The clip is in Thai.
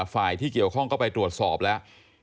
ฝ่ายที่เกี่ยวข้องก็ไปตรวจสอบแล้ว